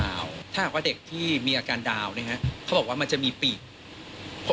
ถ้าหากว่าเด็กที่มีอาการดาวนะฮะเขาบอกว่ามันจะมีปีก